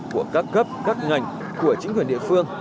của các cấp các ngành của chính quyền địa phương